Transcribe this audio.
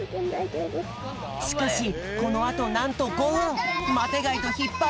しかしこのあとなんと５ふんマテがいとひっぱりあい。